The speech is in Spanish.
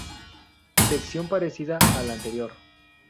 Sección parecida a la anterior.